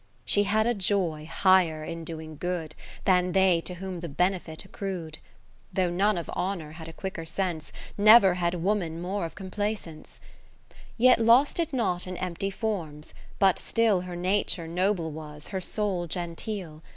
She had a joy higher in doing good, Than they to whom the benefit accru'd. Though none of Honour had a quicker sense, Never had woman more of compla cence ^; Yet lost it not in empty forms, but still Her Nature noble was, her soul gentile